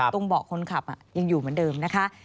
เบาะคนขับยังอยู่เหมือนเดิมนะคะ